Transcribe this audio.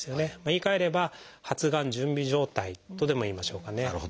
言いかえれば発がん準備状態とでもいいましょうかね。